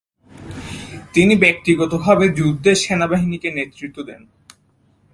তিনি ব্যক্তিগতভাবে যুদ্ধে সেনাবাহিনীকে নেতৃত্ব দেন।